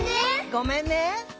「ごめんね」